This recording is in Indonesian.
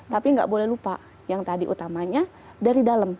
tapi nggak boleh lupa yang tadi utamanya dari dalam